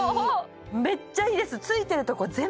めっちゃいいです